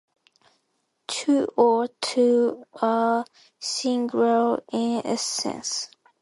Tu or To are singular in Essence.